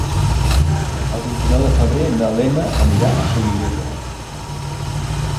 El vint-i-nou de febrer na Lena anirà a Solivella.